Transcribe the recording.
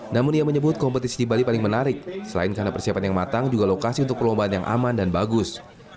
namun ia menyebut kompetisi di bali paling menarik selain karena persiapan yang matang juga lokasi untuk perlombaan yang aman dan bagus